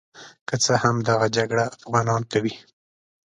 که څه هم دغه جګړه افغانان کوي.